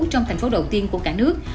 trong thành phố đầu tiên của cả nước